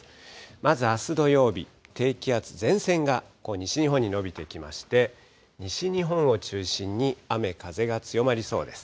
まずあす土曜日、低気圧、前線がこう西日本に延びてきまして、西日本を中心に雨風が強まりそうです。